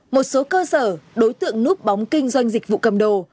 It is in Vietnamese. một số cơ sở đối tượng núp bóng kinh doanh dịch vụ cầm đồ